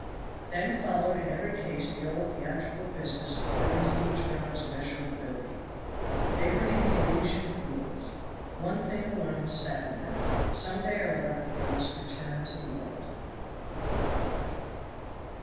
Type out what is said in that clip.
Then followed in every case the old theatrical business according to each rogue's measure of ability. They were in the Elysian fields; one thing alone saddened them; some day or other they must return to the world.